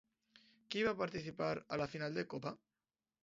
Qui va participar a la final de Copa?